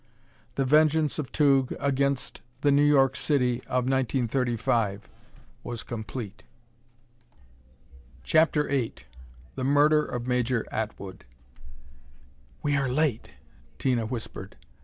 The vengeance of Tugh against the New York City of 1935 was complete. CHAPTER VIII The Murder of Major Atwood "We are late," Tina whispered.